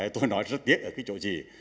tôi nói rất tiếc ở cái chỗ gì